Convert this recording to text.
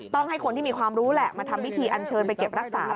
ต้องให้คนที่มีความรู้แหละมาทำพิธีอันเชิญไปเก็บรักษา